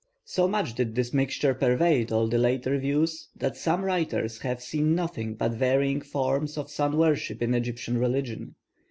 So much did this mixture pervade all the later views that some writers have seen nothing but varying forms of sun worship in Egyptian religion.